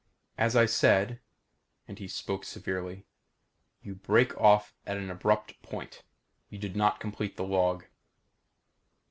"As I said," and he spoke severely "you break off at an abrupt point. You did not complete the log."